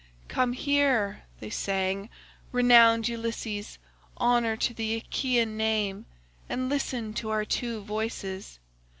"'Come here,' they sang, 'renowned Ulysses, honour to the Achaean name, and listen to our two voices.